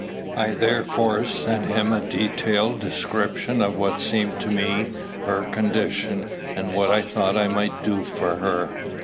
I therefore sent him a detailed description of what seemed to me her condition, and what I thought I might do for her.